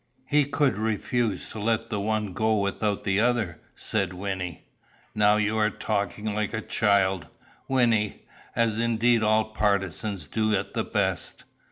"He could refuse to let the one go without the other," said Wynnie. "Now you are talking like a child, Wynnie, as indeed all partisans do at the best.